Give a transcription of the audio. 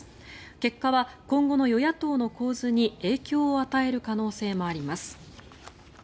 結果は今後の与野党の構図に影響を与える可能性もあります。